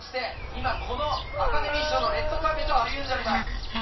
今このアカデミー賞のレッドカーペットを歩んでおります。